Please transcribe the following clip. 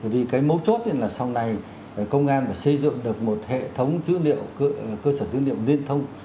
vì cái mấu chốt là sau này công an phải xây dựng được một hệ thống dữ liệu cơ sở dữ liệu liên thông